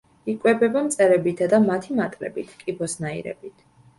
იკვებება მწერებითა და მათი მატლებით, კიბოსნაირებით.